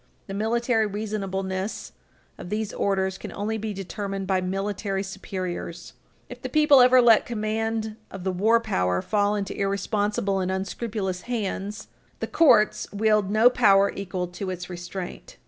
The military reasonableness of these orders can only be determined by military superiors. If the people ever let command of the war power fall into irresponsible and unscrupulous hands, the courts wield no power equal to its restraint.